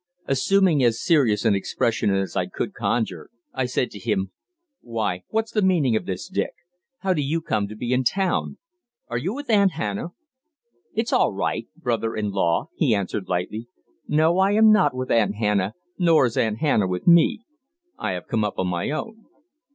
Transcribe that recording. Assuming as serious an expression as I could conjure, I said to him: "Why, what's the meaning of this, Dick? How do you come to be in town? Are you with Aunt Hannah?" "It's all right brother in law," he answered lightly. "No, I am not with Aunt Hannah, nor is Aunt Hannah with me. I have come up on my own."